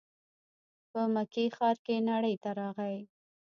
په مکې ښار کې نړۍ ته راغی.